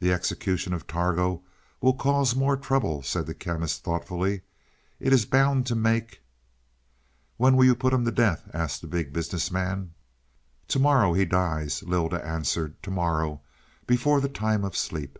"The execution of Targo will cause more trouble," said the Chemist thoughtfully. "It is bound to make " "When will you put him to death?" asked the Big Business Man. "To morrow he dies," Lylda answered. "To morrow, before the time of sleep."